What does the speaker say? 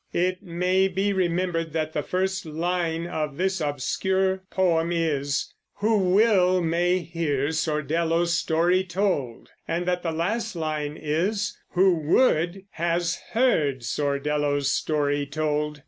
It may be remembered that the first line of this obscure poem is, "Who will may hear Sordello's story told"; and that the last line is, "Who would has heard Sordello's story told."